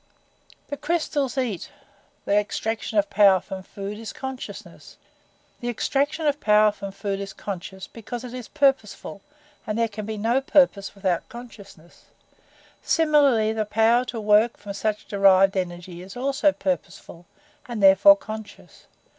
"The crystals eat. The extraction of power from food is conscious because it is purposeful, and there can be no purpose without consciousness; similarly the power to work from such derived energy is also purposeful and therefore conscious.